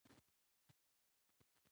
د پښتو د ولسي ادب نکلونه،